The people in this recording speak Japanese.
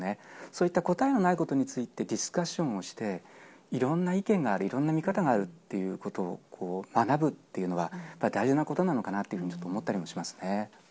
そういった答えのないことについて、ディスカッションをして、いろんな意見があり、いろんな見方があるということを学ぶっていうのは、大事なことなのかなというふうにちょっと思ったりしますね。